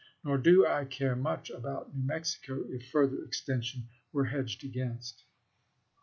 Nor do I care much about New Mexico, if FebMs.1861' further extension were hedged against.